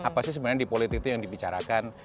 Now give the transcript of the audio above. apa sih sebenarnya di politik itu yang dibicarakan